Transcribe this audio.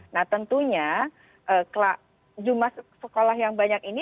nah tentunya jumlah sekolah yang banyak ini